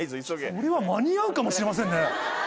これは間に合うかもしれませんね。